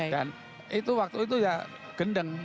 dan waktu itu ya gendeng